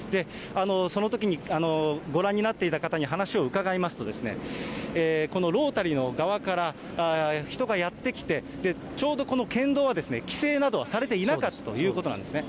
そのときにご覧になっていた方に話を伺いますと、このロータリーの側から、人がやって来て、ちょうどこの県道は規制などはされていなかったということなんですね。